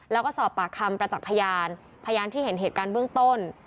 แล้วก็สอบปากคำประจักษ์พยานพยานที่เห็นเหตุการณ์เบื้องต้น